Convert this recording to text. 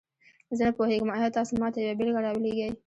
زه نه پوهیږم، آیا تاسو ماته یوه بیلګه راولیږئ؟